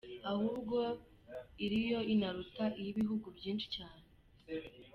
ahubwo iriyo inaruta iyibihugu byinshi cyane.